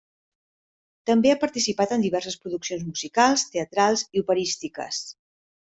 També ha participat en diverses produccions musicals, teatrals i operístiques.